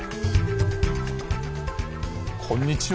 こんにちは。